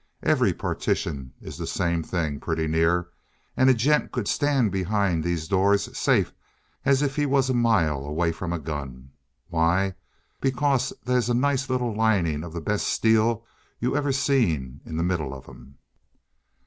Every partition is the same thing, pretty near; and a gent could stand behind these doors safe as if he was a mile away from a gun. Why? Because they's a nice little lining of the best steel you ever seen in the middle of 'em.